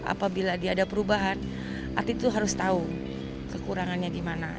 apabila dia ada perubahan atlet itu harus tahu kekurangannya di mana